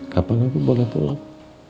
kapan aku boleh pulang